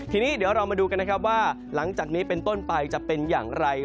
ทีนี้เดี๋ยวเรามาดูกันนะครับว่าหลังจากนี้เป็นต้นไปจะเป็นอย่างไร